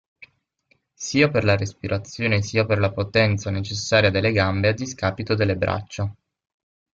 Sia per la respirazione sia per la potenza necessaria delle gambe a discapito delle braccia.